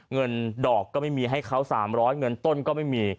เงินดอกก็ไม่มีให้เขา๓๐๐เงินต้นก็ไม่มี